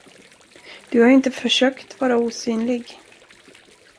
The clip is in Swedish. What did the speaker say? Du har inte försökt vara osynlig.